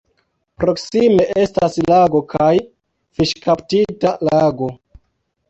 Proksime estas lago kaj fiŝkaptista lago.